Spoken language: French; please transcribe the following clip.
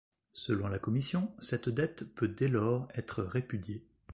Selon la Commission, cette dette peut dès lors être répudiée.